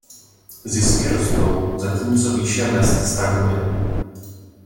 Zisky rostou, zatímco výše mezd stagnuje.